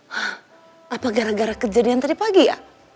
hah apa gara gara kejadian tadi pagi ya